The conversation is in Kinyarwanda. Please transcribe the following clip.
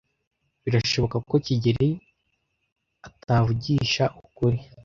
Birashoboka ko kigeli atavugisha ukuri.